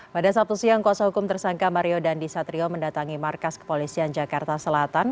pada sabtu siang kuasa hukum tersangka mario dandisatrio mendatangi markas kepolisian jakarta selatan